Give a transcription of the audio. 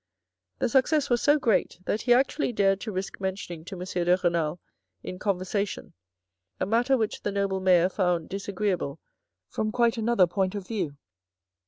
The success was so great that he actually dared to risk mentioning to M. de Renal in conversation, a matter which the noble mayor found disagreeable from quite another point of view.